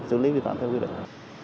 xử lý vi phạm theo quy định